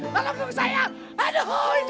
tolong dong sayang aduh jatuh kongnya aduh